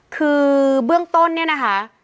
คือเบื้องต้นเนี่ยนะคะ